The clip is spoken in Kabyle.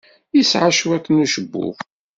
Yesɛa cwiṭ n ucebbub.